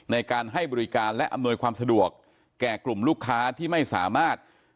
ในการให้บริการและอำนวยความสะดวกแก่กลุ่มลูกค้าที่ไม่สามารถ